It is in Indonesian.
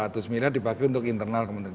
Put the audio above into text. lima ratus juta dipakai untuk internal kementerian